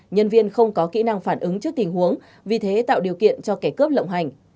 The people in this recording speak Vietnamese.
nhân viên không có kỹ năng phản ứng trước tình huống vì thế tạo điều kiện cho kẻ cướp lộng hành